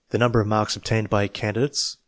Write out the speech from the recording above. Number of marks obtained by the Candidates. A.